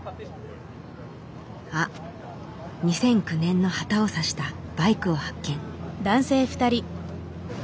あっ２００９年の旗を挿したバイクを発見。